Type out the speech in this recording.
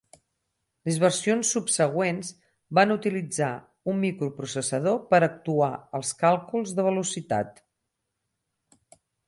Les versions subsegüents van utilitzar un microprocessador per actuar els càlculs de velocitat.